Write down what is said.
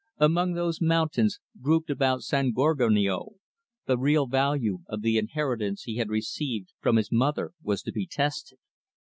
Among those mountains grouped about San Gorgonio, the real value of the inheritance he had received from his mother was to be tested.